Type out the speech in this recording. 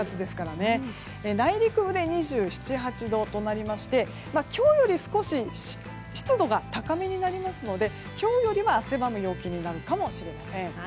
内陸部で２７２８度で今日より少し湿度が高めになりますので今日よりは汗ばむ陽気になるかもしれません。